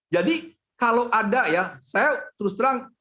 jadi kalau ada ya saya terus terusan